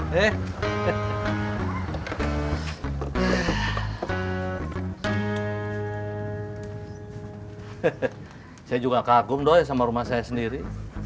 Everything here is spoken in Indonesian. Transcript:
hehehe saya juga kagum doi sama rumah saya sendiri